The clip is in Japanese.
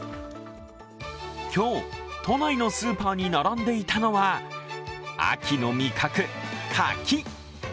今日、都内のスーパーに並んでいたのは秋の味覚、柿。